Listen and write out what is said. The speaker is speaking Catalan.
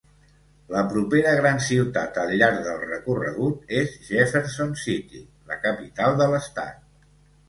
La propera gran ciutat al llarg del recorregut és Jefferson City, la capital de l'estat.